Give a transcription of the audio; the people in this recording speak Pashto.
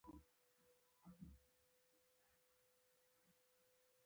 پاتی شه، شپه وکړه ، سهار به ځی.